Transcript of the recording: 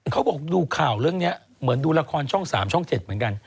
เขาบอกดูข่าวเรื่องนี้เหมือนดูละครช่อง๓ช่อง๗เหมือนกัน